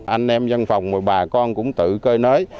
anh em dân phòng và bà con cũng tự cơi nới